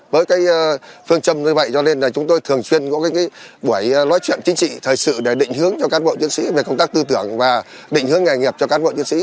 với cái phương châm như vậy cho nên là chúng tôi thường chuyên một cái buổi nói chuyện chính trị thời sự để định hướng cho các bộ chiến sĩ về công tác tư tưởng và định hướng nghề nghiệp cho các bộ chiến sĩ